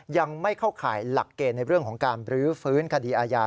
ยังไม่เข้าข่ายหลักเกณฑ์ในเรื่องของการบรื้อฟื้นคดีอาญา